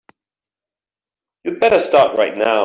You'd better start right now.